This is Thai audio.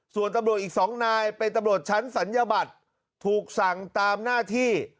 ส่วนตำรวจอีก๒นายเป็นตำรวจชั้นศัลยบัตรถูกสั่งตามหน้าที่